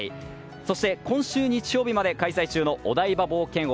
そして、今週日曜日まで開催中のお台場冒険王。